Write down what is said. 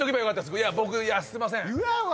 すいません。